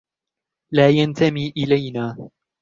لا ينتمي إلينا.